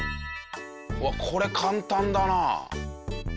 うわっこれ簡単だな。